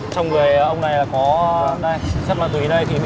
chờ chờ một tí